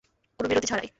কোনো বিরতি ছাড়াই!